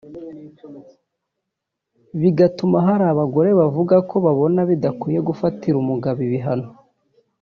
bigatuma hari abagore bavuga ko babona bidakwiye gufatira umugabo ibihano